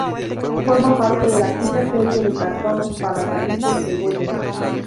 Forma parte de la quinta serie de cartones para tapices de Goya.